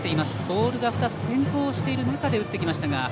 ボールが２つ先行している中で打ってきましたが。